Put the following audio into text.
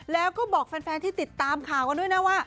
แล้วก็บอกแฟนที่ติดตามข่าวกันด้วยนะว่า